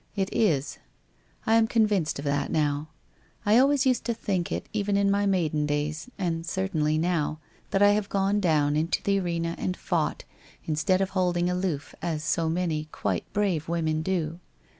It is. I am convinced of that now. I always used to think it, even in my maiden days, and certainly now, that I have gone down into the arena and fought, instead of holding aloof as so many quite brave women do.